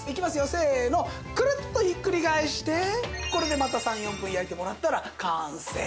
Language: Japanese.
せーのクルッとひっくり返してこれでまた３４分焼いてもらったら完成。